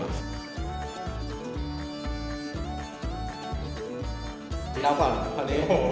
อันนี้ต้องใช้หน้าจริงอ่ะ